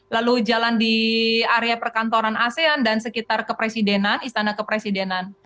lalu jalan di area perkantoran asean dan sekitar kepresidenan istana kepresidenan